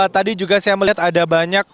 tadi juga saya melihat ada banyak